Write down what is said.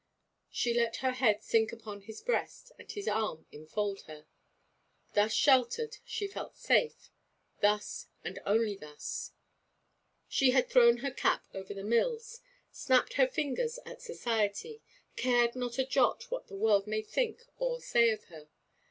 She let her head sink upon his breast, and his arm enfold her. Thus sheltered, she felt safe, thus and thus only. She had thrown her cap over the mills; snapped her fingers at society; cared not a jot what the world might think or say of her.